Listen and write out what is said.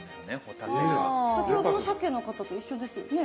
先ほどのしゃけの方と一緒ですよね。